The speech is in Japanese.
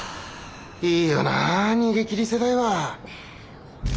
いいよなあ逃げ切り世代は。